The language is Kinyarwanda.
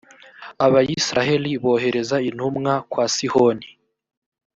abayisraheli bohereza intumwa kwa sihoni.